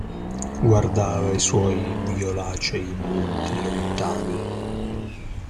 Guardava i suoi violacei monti lontani.